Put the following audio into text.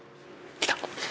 来た！